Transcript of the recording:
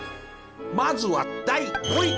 まずは第５位。